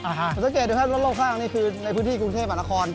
อ่าฮะสังเกตดูแค่รถโลกข้างนี้คือในพื้นที่กรุงเทพหวานละครอ๋อ